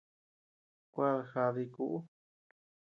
Kuad jaadii kuʼu.